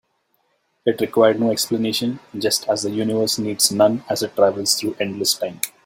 It required no explanation, just as the universe needs none as it travels through endless time.